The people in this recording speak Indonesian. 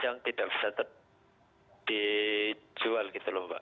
yang tidak bisa dijual gitu loh mbak